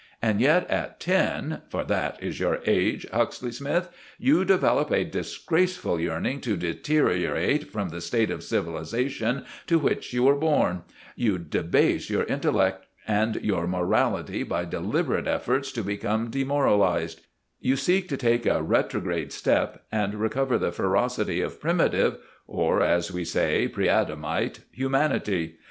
And yet at ten—for that is your age, Huxley Smythe—you develop a disgraceful yearning to deteriorate from the state of civilization to which you are born; you debase your intellect and your morality by deliberate efforts to become demoralized; you seek to take a retrograde step, and recover the ferocity of primitive—or, as we say, pre Adamite—humanity.